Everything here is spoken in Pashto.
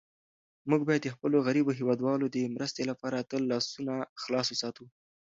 موږ باید د خپلو غریبو هېوادوالو د مرستې لپاره تل لاسونه خلاص وساتو.